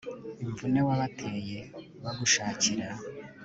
imvune wabateye bagushakira